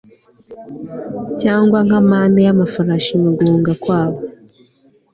Cyangwa nka mane yamafarashi muguhunga kwabo